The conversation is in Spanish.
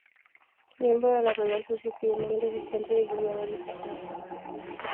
Miembro de la Royal Society de Londres, asistente y divulgador de Isaac Newton.